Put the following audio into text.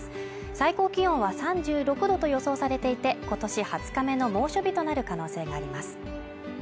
最高気温は３６度と予想されていて今年２０日目の猛暑日となる可能性があります